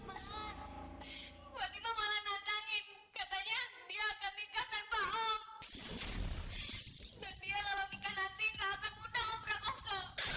katanya dia akan nikah tanpa om dan dia kalau nikah nanti gak akan undang abraha soh